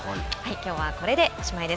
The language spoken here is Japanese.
きょうは、これでおしまいです。